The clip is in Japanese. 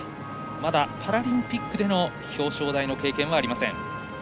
まだパラリンピックでの表彰台の経験はありません。